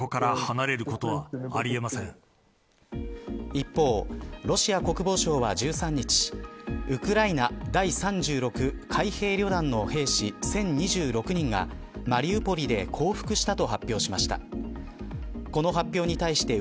一方、ロシア国防省は１３日ウクライナ第３６海兵旅団の兵士１０２６人がマリウポリで降伏したと発表しました。